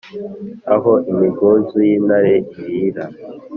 aho imigunzu y’intare irīra